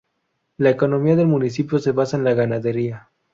La economía del municipio se basa en la ganadería.